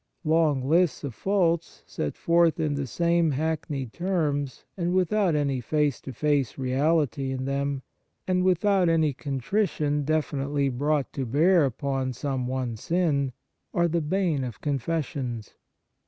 Long lists of faults, set forth in the same hack neyed terms, and without any face to face reality in them, and without any contrition definitely brought to bear upon some one sin, are the bane of confessions.